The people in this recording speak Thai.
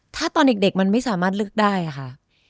ถ้าตอนเด็กมันไม่สามารถเลือกได้ค่ะ